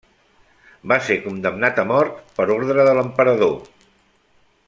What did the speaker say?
Va ser condemnat a mort per ordre de l'emperador.